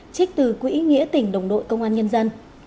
trích từ quỹ nghĩa tỉnh đồng đội công an nhân dân